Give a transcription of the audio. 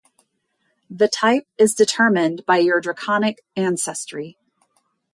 The type is determined by your draconic ancestry.